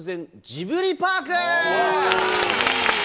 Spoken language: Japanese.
ジブリパーク。